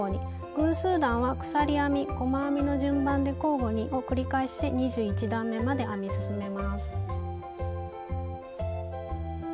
偶数段は鎖編み細編みの順番で交互にを繰り返して２１段めまで編み進めます。